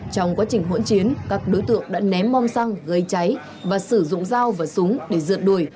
trong quá trình hỗn chiến các đối tượng đã ném bom xăng gây cháy và sử dụng dao và súng để rượt đuổi